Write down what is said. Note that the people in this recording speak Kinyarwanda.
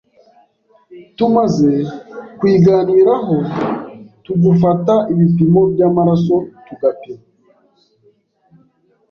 tumaze kuyiganiraho tugufata ibipimo by’amaraso tugapima